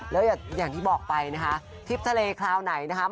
แล้วอย่างที่บอกไปนะคะทริปทะเลคราวไหนนะคะ